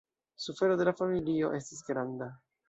Sufero de la familio estis granda.